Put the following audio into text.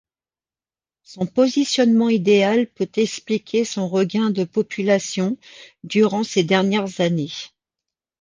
Son positionnement idéal peut expliquer son regain de population durant ces dernières années.